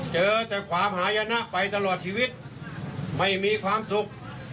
เจอแต่ความหายนะไปตลอดชีวิตไม่มีความสุข